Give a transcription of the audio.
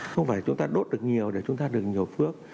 không phải chúng ta đốt được nhiều để chúng ta được nhiều phước